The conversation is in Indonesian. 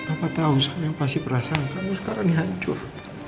apa tau saya pasti perasaan kamu sekarang ini hancur